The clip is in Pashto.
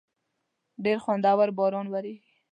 ډېر خوندور باران وریږی